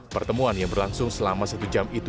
pertemuan yang berlangsung selama satu jam itu